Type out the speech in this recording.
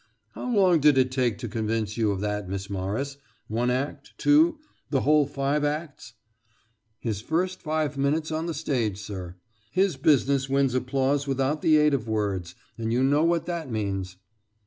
"How long did it take to convince you of that, Miss Morris? One act two the whole five acts?" "His first five minutes on the stage, sir. His business wins applause without the aid of words, and you know what that means."